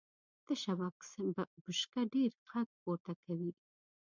تشه بشکه ډېر غږ پورته کوي .